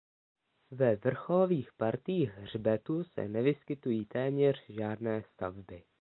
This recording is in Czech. Ve vrcholových partiích hřbetu se nevyskytují téměř žádné stavby.